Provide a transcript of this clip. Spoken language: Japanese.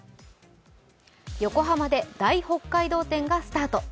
横浜で大北海道展がスタート。